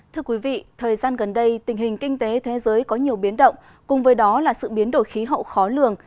thưa quý vị thời gian gần đây tình hình kinh tế thế giới có nhiều biến động cùng với đó là sự biến đổi khí hậu khó lường